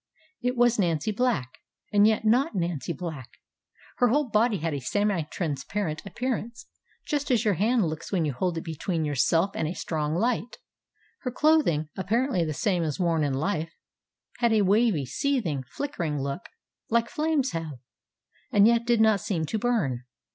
It was Nancy Black, and yet not Nancy Black; her whole body had a semi transparent appearance, just as your hand looks when you hold it between yourself and a strong light; her clothing, apparently the same as worn in life, had a wavy, seething, flickering look, like flames have, and yet did not seem to burn.